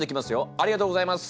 ありがとうございます。